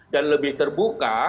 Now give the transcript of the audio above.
dan lebih terbuka